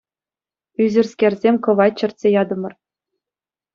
Ӳсӗрскерсем кӑвайт чӗртсе ятӑмӑр.